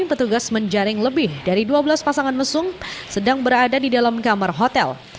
petugas menjaring lebih dari dua belas pasangan mesum sedang berada di dalam kamar hotel